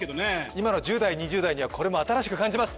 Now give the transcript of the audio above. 今の１０代２０代にはこれも新しく感じます